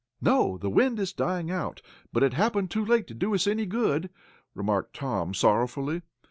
"No, the wind is dying out, but it happened too late to do us any good," remarked Tom, sorrowfully.